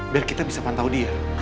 biar kita bisa pantau dia